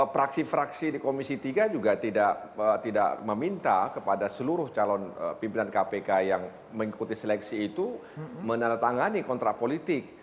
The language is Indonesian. fraksi fraksi di komisi tiga juga tidak meminta kepada seluruh calon pimpinan kpk yang mengikuti seleksi itu menandatangani kontrak politik